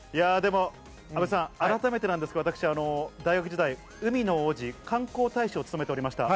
阿部さん、改めてなんですが私、大学時代、海の王子、観光大使を務めておりました。